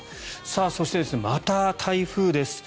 そして、また台風です。